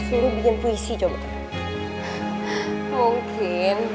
tidak ada yang bisa lagi nolok puisi